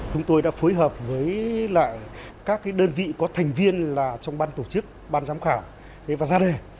chúng tôi đã phối hợp với lại các đơn vị có thành viên là trong ban tổ chức ban giám khảo và ra đề